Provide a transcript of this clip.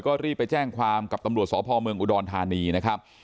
ก็รีบไปแจ้งความกับตำรวจสพเมืองอุดรธานีนะครับ